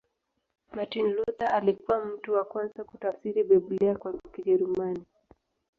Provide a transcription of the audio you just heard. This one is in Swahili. Martin Luther alikuwa mtu wa kwanza kutafsiri Biblia kwa Kijerumani.